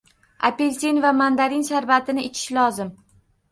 Apel'sin va mandarin sharbatini ichish lozim.